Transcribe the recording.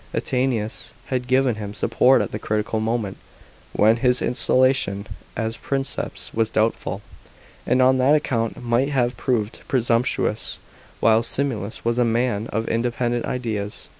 Attianus had given him support at the critical moment when his installation as Princeps was doubtful, and on that account might have proved presumptuous ; while Similis was a man of independent ideas.